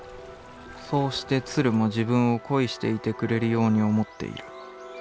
そうして鶴も自分を恋していてくれるように思っている。